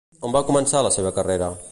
On va començar la seva carrera?